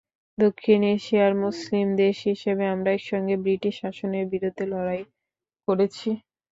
দক্ষিণ এশিয়ার মুসলিম দেশ হিসেবে আমরা একসঙ্গে ব্রিটিশ শাসনের বিরুদ্ধে লড়াই করেছি।